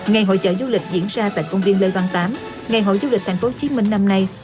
ngày hội chợ du lịch diễn ra tại công viên lê văn tám ngày hội du lịch thành phố hồ chí minh năm nay